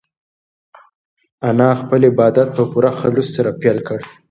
انا خپل عبادت په پوره خلوص سره پیل کړ.